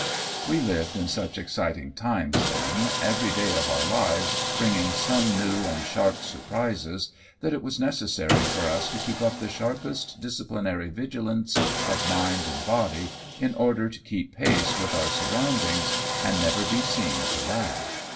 We lived in such exciting times then, everj'' day of our lives bringing some new and sharp surprises, that it was necessary for us to keep up the sharpest disciplinary vigilance of mind and body, in order to keep pace with our surroundings, and never be seen to lag.